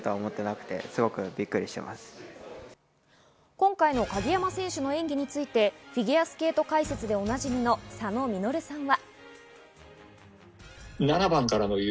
今回の鍵山選手の演技についてフィギュアスケート解説でおなじみの佐野稔さんは。